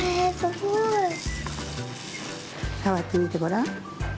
さわってみてごらん。